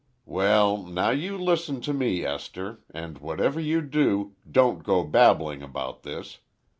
"Well, now you listen to me, Esther, and whatever you do, don't go babbling about this.